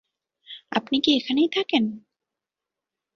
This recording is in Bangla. আপনি কি এখানেই থাকেন?